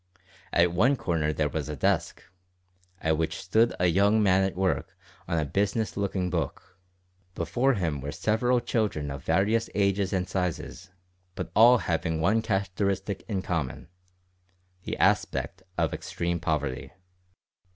At one corner there was a desk, at which stood a young man at work on a business looking book. Before him were several children of various ages and sizes, but all having one characteristic in common the aspect of extreme poverty.